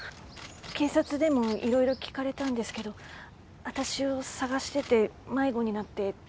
警察でもいろいろ聞かれたんですけど私を捜してて迷子になって排水溝に落ちたと。